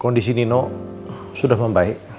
kondisi nino sudah membaik